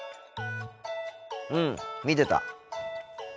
うん見てた。